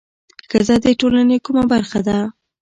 ښځه د ټولنې کومه برخه ده؟